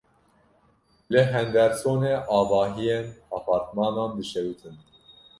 Li Hendersonê avahiyên apartmanan dişewitin.